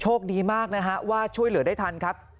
โชคดีมากนะฮะว่าช่วยเหลือได้ทันครับ